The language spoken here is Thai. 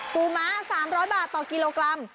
ม้า๓๐๐บาทต่อกิโลกรัม